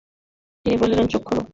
তিনি বললেন, চোখ খোল ।